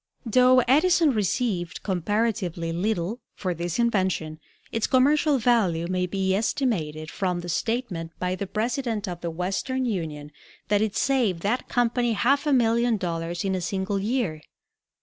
Though Edison received comparatively little for this invention, its commercial value may be estimated from the statement by the president of the Western Union that it saved that company half a million dollars in a single year.